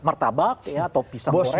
martabak atau pisang goreng